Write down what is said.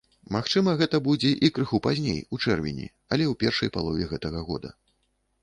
Магчыма, гэта будзе і крыху пазней, у чэрвені, але ў першай палове гэтага года.